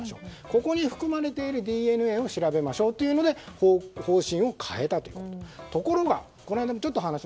ここに含まれているＤＮＡを調べましょうというので方針を変えたということ。